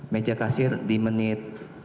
meja kasir di menit